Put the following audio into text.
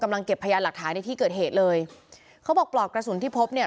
เก็บพยานหลักฐานในที่เกิดเหตุเลยเขาบอกปลอกกระสุนที่พบเนี่ย